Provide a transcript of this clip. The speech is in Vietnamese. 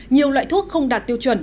nhiều loại thuốc không đạt tiêu chuẩn